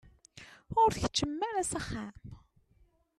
Ur tkeččmem ara s axxam?